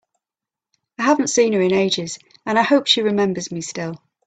I haven’t seen her in ages, and I hope she remembers me still!